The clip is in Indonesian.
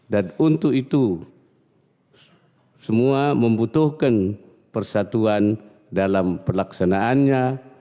dan untuk itu semua membutuhkan persatuan dalam pelaksanaannya